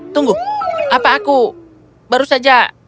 tunggu apa aku baru saja